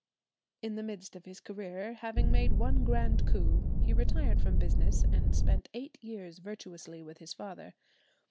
In the midst of his career, having made one grand coup, he retired from business and spent eight years virtuously with his father.